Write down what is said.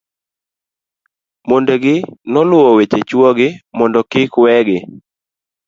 mondegi noluwo weche chuo gi mondo kik we gi